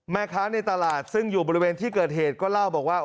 แม่ค้าในตลาดซึ่งอยู่บริเวณที่เกิดเหตุก็เล่าบอกว่า